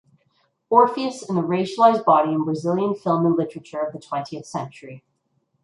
Orpheus and the Racialized Body in Brazilian Film and Literature of the Twentieth Century.